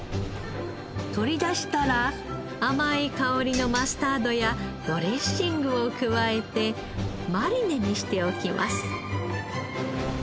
取り出したら甘い香りのマスタードやドレッシングを加えてマリネにしておきます。